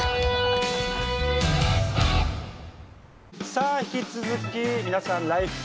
さあ引き続き皆さん「ＬＩＦＥ！」